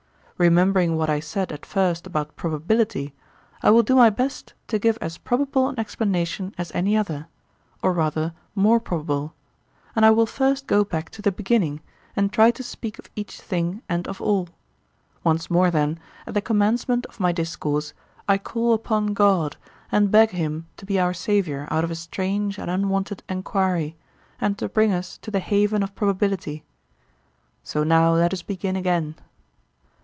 Remembering what I said at first about probability, I will do my best to give as probable an explanation as any other—or rather, more probable; and I will first go back to the beginning and try to speak of each thing and of all. Once more, then, at the commencement of my discourse, I call upon God, and beg him to be our saviour out of a strange and unwonted enquiry, and to bring us to the haven of probability. So now let us begin again.